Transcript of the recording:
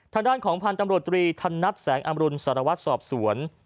ทางด้านของพันธ์ตำรวจตรีธนัดแสงอำรุณสารวัตรสอบสวน